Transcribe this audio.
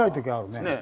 ねえ。